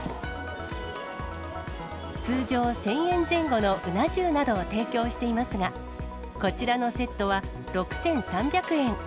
通常、１０００円前後のうな重などを提供していますが、こちらのセットは６３００円。